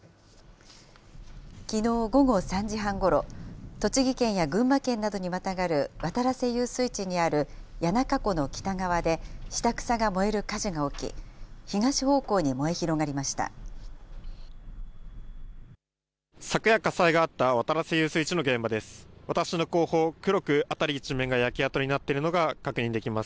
きのう午後３時半ごろ、栃木県や群馬県などにまたがる、渡良瀬遊水地にある谷中湖の北側で下草が燃える火事が起き、昨夜、火災があった渡良瀬遊水地の現場です。